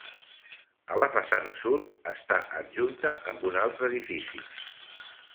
A la façana sud, està adjunta amb un altre edifici.